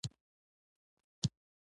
هغسې یې سره جوړه ده په یاري کې ورته ښه دي.